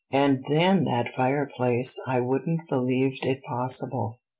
And then that fireplace; I wouldn't believed it possible."